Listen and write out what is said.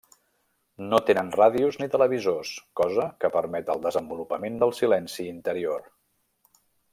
No tenen ràdios ni televisors, cosa que permet el desenvolupament del silenci interior.